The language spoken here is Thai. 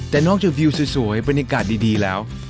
แต่นอกจากวิวสวยบรรยากาศดีแล้ว